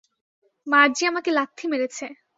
মার্জি আমাকে লাত্থি মেরেছে!